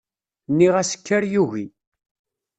Nniɣ-as kker yugi.